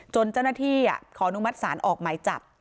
เจ้าหน้าที่ขอนุมัติศาลออกหมายจับ